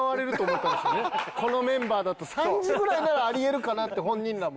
このメンバーだと３時ぐらいならあり得るかなって本人らも。